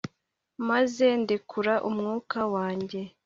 maze ndekura umwuka wanjye